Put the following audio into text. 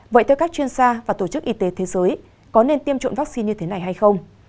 vậy theo các chuyên gia và tổ chức y tế thế giới có nên tiêm chủng vaccine như thế này hay không